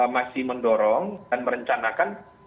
masih mendorong dan merencanakan